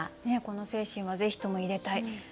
ねえこの精神はぜひとも入れたい。